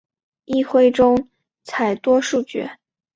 议会中采多数决。